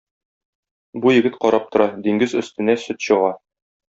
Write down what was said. Бу егет карап тора: диңгез өстенә сөт чыга.